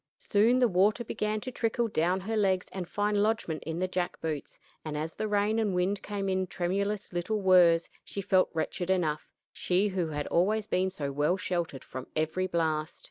Soon the water began to trickle down her legs and find lodgment in the jack boots, and as the rain and wind came in tremulous little whirs, she felt wretched enough she who had always been so well sheltered from every blast.